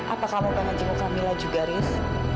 apa kamu ingin jenguk kamila juga riz